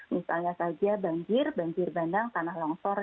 misalnya saja banjir banjir bandang tanah longsor